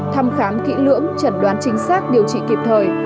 thăm khám kỹ lưỡng trần đoán chính xác điều trị kịp thời